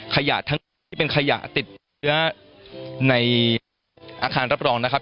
ขยะทั้งที่เป็นขยะติดเชื้อในอาคารรับรองนะครับ